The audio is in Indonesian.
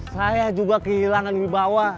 saya juga kehilangan wibawa